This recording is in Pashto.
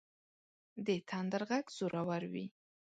د تندر غږ زورور وي.